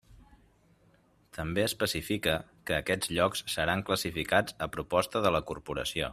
També especifica que aquests llocs seran classificats a proposta de la corporació.